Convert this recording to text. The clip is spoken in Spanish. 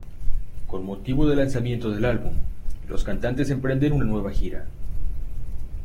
Con motivo del lanzamiento del álbum, los cantantes emprenden una nueva gira.